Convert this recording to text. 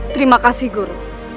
terima kasih guru